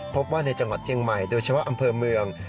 พบว่าในจังหวัดเชียงใหม่โดยเฉพาะอำเภอเมือง